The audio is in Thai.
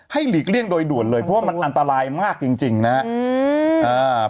หลีกเลี่ยงโดยด่วนเลยเพราะว่ามันอันตรายมากจริงนะครับ